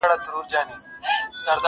تر منګوټي لاندي به سپیني اوږې وځلېدې،